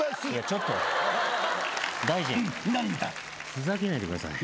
ふざけないでください。